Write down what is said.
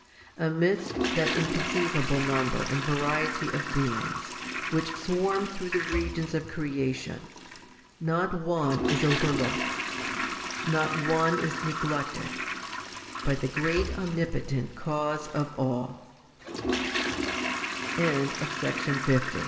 Amidst that inconceivable number and variety of beings, which swarm through the regions of creation, not one is overlooked, not one is neglected, by the great Omnipotent Cause of all.